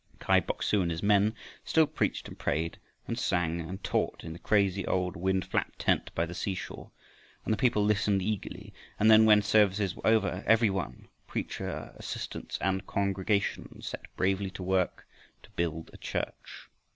Kai Bok su and his men still preached and prayed and sang and taught in the crazy old wind flapped tent by the seashore, and the people listened eagerly, and then, when services were over, every one, preacher, assistants, and congregation, set bravely to work to build a church.